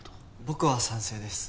僕は賛成です。